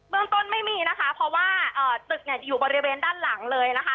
เรื่องต้นไม่มีนะคะเพราะว่าตึกเนี่ยจะอยู่บริเวณด้านหลังเลยนะคะ